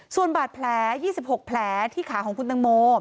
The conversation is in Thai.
ส่วนบาดแผล๒๖แผลที่ขาของคุณตังโม